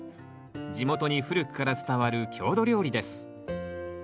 地元に古くから伝わる郷土料理です。